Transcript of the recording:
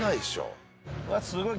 わっすごい。